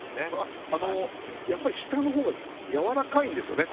やっぱり下のほうがやわらかいんですよね。